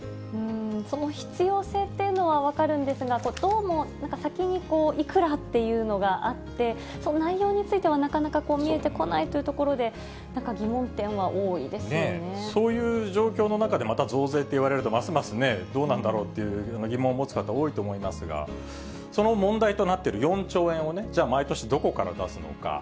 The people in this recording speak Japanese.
その必要性というのは分かるんですが、どうも先にいくらというのがあって、その内容についてはなかなか見えてこないというところで、そういう状況の中でまた増税っていわれると、ますますどうなんだろうという疑問を持つ方多いと思いますが、その問題となっている４兆円をね、じゃあ、毎年どこから出すのか。